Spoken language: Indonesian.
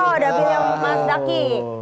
oh dapilnya mas daki